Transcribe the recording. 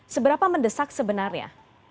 seberapa mendesak sebenarnya